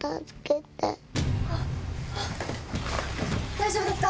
大丈夫ですか？